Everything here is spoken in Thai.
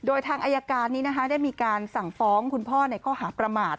โดยทางอายการนี้นะคะได้มีการสั่งฟ้องคุณพ่อในข้อหาประมาท